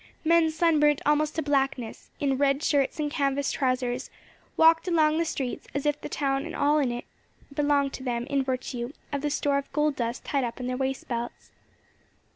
Men sunburnt almost to blackness, in red shirts and canvas trousers, walked along the streets as if the town and all in it belonged to them in virtue of the store of gold dust tied up in their waist belts.